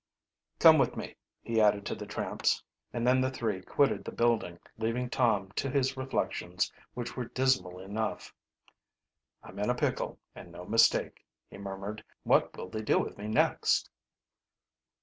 "Come with me," he added to the tramps, and then the three quitted the building, leaving Torn to his reflections, which were dismal enough. "I'm in a pickle and no mistake," he murmured. "What will they do with me next?"